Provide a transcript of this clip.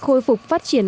khôi phục phát triển